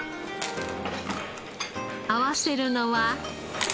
合わせるのは。